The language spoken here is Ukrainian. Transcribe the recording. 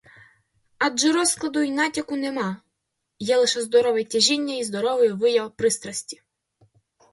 Адже розкладу й натяку нема, є лише здорове тяжіння й здоровий вияв пристрасті.